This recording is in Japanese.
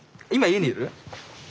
今。